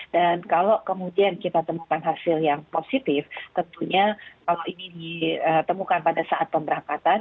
dan kalau kemudian kita temukan hasil yang positif tentunya kalau ini ditemukan pada saat pemberangkatan